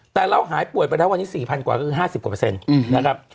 แต่เราหายป่วยไปซักวันที่๔๐๐๐กว่าคือ๕๐กว่า